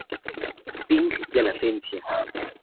Ping de Latencia.